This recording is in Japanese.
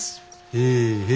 へえへえ。